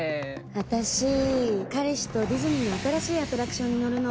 「私彼氏とディズニーの新しいアトラクションに乗るの」。